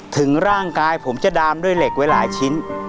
ถึงร่างกายผมจะดามด้วยเหล็กไว้หลายชิ้น